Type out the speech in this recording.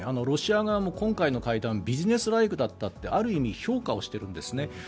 ロシア側も今回の会談はビジネスライクだったとある意味評価しているんです。